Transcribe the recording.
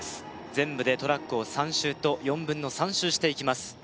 全部でトラックを３周と４分の３周していきます